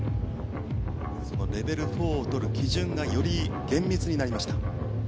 そのレベル４をとる基準がより厳密になりました。